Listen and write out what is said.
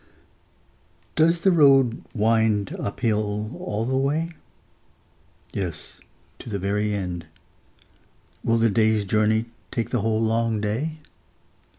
Does the road wind up hill all the way? Yes, to the very end. Will the day's journey take the whole long day?